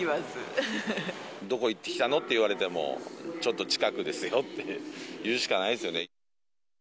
どこ行ってきたの？と言われても、ちょっと近くですよって言うしかないですよね。